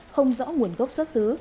không rõ nguồn gốc xuất xứ